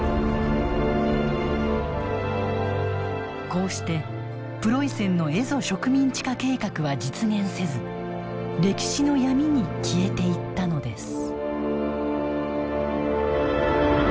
こうしてプロイセンの蝦夷植民地化計画は実現せず歴史の闇に消えていったのです。